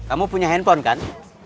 kamu punya handphone kan